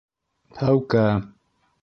Һәүкә!